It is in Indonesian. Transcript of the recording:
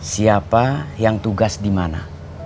siapa yang tugas di mana